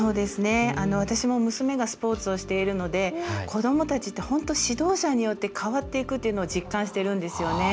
私も、娘がスポーツをしているので子どもたちって本当、指導者によって変わっていくと実感しているんですよね。